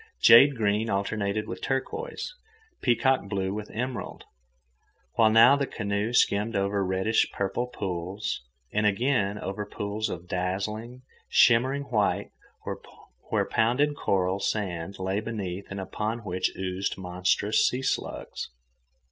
Jade green alternated with turquoise, peacock blue with emerald, while now the canoe skimmed over reddish purple pools, and again over pools of dazzling, shimmering white where pounded coral sand lay beneath and upon which oozed monstrous sea slugs.